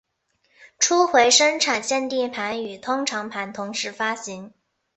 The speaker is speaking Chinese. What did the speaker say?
初回生产限定盘与通常版同时发行。